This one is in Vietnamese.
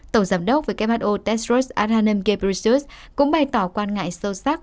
tổng giám đốc who tedros adhanom ghebreyesus cũng bày tỏ quan ngại sâu sắc